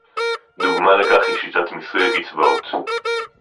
דוגמה לכך היא שיטת מיסוי הקצבאות